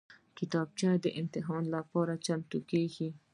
کتابچه د امتحان لپاره چمتو کېږي